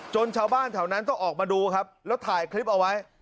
ชาวบ้านแถวนั้นต้องออกมาดูครับแล้วถ่ายคลิปเอาไว้